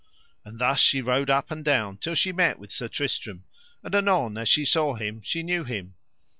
And thus she rode up and down till she met with Sir Tristram, and anon as she saw him she knew him.